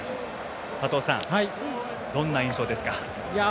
佐藤さん、どんな印象ですか？